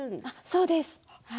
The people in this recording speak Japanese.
そうです。